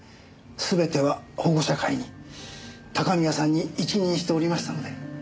全ては保護者会に高宮さんに一任しておりましたので。